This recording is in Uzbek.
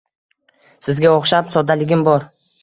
Sizga o’xshab, soddaligim bor.